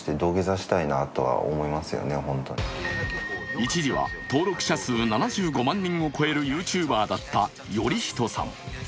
一時は登録者数７５万人を超えるＹｏｕＴｕｂｅｒだったよりひとさん。